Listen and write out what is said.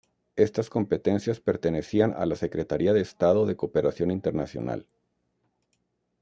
Estas competencias pertenecían a la Secretaría de Estado de Cooperación Internacional.